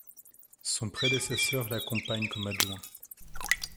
Son prédécesseur l'accompagne comme adjoint.